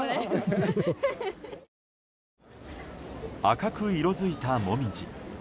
赤く色づいたモミジ。